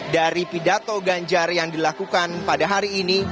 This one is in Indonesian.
dari pidato ganjar yang dilakukan pada hari ini